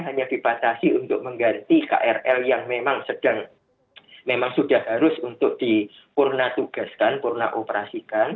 hanya dibatasi untuk mengganti krl yang memang sudah harus untuk dipurnatugaskan purnaoperasikan